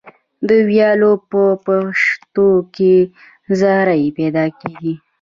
د ویالو په پشتو کې زرۍ پیدا کیږي.